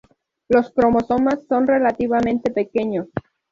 Los cromosomas son relativamente pequeños.